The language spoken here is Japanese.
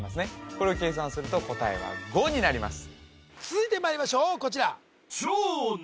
これを計算すると答えは５になります